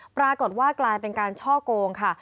ปรากฏว่ากลายเป็นการช่อโกงค่ะ